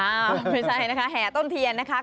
ไม่ใช่นะคะแห่ต้นเทียนนะคะ